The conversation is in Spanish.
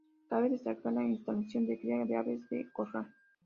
Cabe destacar la instalación de cría de aves de corral.